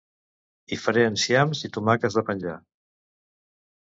hi faré enciams i tomàquets de penjar